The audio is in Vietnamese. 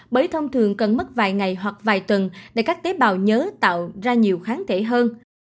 bởi thông thường cần mất vài ngày hoặc vài tuần để các tế bào nhớ tạo ra nhiều kháng thể hơn